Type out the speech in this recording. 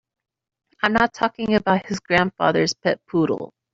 I'm not talking about his grandfather's pet poodle.